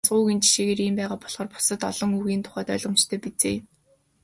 Ганцхан үгийн жишээгээр ийм байгаа болохоор бусад олон үгийн тухайд ойлгомжтой биз ээ.